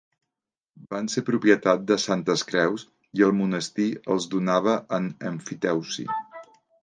Van ser propietat de Santes Creus i el monestir els donava en emfiteusi.